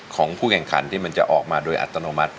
ของผู้แข่งขันที่มันจะออกมาโดยอัตโนมัติ